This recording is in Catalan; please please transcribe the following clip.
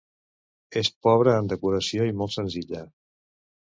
És pobra en decoració i molt senzilla.